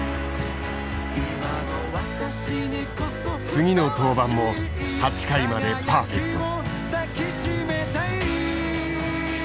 次の登板も８回までパーフェクト。